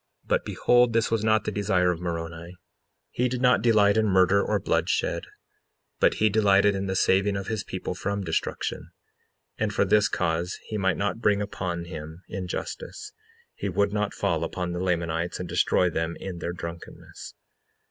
55:19 But behold, this was not the desire of Moroni; he did not delight in murder or bloodshed, but he delighted in the saving of his people from destruction; and for this cause he might not bring upon him injustice, he would not fall upon the Lamanites and destroy them in their drunkenness.